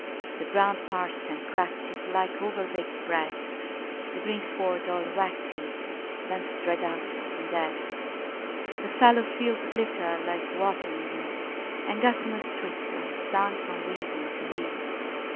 The ground parched and cracked is like overbaked bread, The greensward all wracked is, bents dried up and dead. The fallow fields glitter like water indeed, And gossamers twitter, flung from weed unto weed.